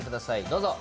どうぞ。